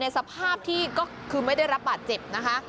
สภาพที่ก็คือไม่ได้รับบาดเจ็บนะคะ